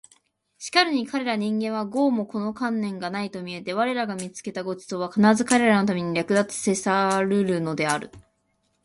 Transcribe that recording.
しかるに彼等人間は毫もこの観念がないと見えて我等が見付けた御馳走は必ず彼等のために掠奪せらるるのである